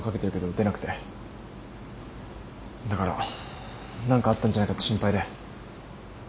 だから何かあったんじゃないかって心配で。